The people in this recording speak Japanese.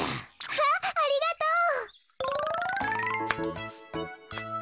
わあありがとう。